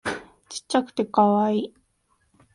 ちっちゃくてカワイイ